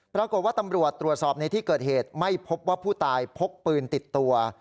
ปรากฏว่าตำรวจตรวจสอบในที่เกิดเหตุไม่พบว่าผู้ตายพกปืนติดตัว